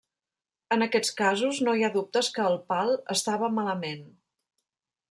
En aquests casos no hi ha dubtes que el pal estava malament.